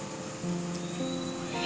papa udah nyiapin kan biayanya